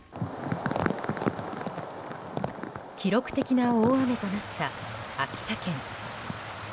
記録的な大雨となった秋田県。